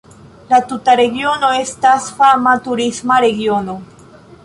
La tuta regiono estas fama turisma regiono.